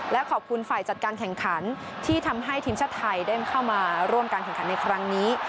และขอบคุณฝ่ายจัดการแข่งขันที่ทำให้ทีมชาติไทยได้เข้ามาร่วมการแข่งขันในครั้งนี้